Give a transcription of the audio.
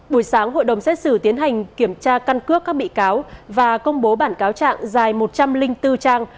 buổi sáng hội đồng xét xử tiến hành kiểm tra căn cước các bị cáo và công bố bản cáo trạng dài một trăm linh bốn trang